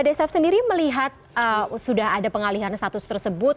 desaf sendiri melihat sudah ada pengalihan status tersebut